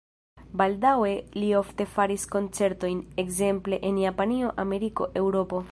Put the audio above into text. Baldaŭe li ofte faris koncertojn, ekzemple en Japanio, Ameriko, Eŭropo.